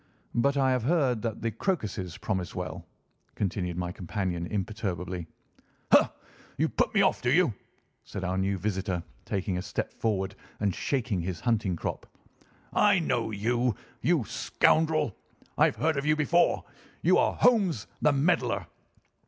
"But I have heard that the crocuses promise well," continued my companion imperturbably. "Ha! You put me off, do you?" said our new visitor, taking a step forward and shaking his hunting crop. "I know you, you scoundrel! I have heard of you before. You are Holmes, the meddler."